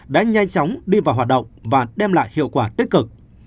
đã nhanh chóng đi vào hoạt động và đem lại hiệu quả tích cực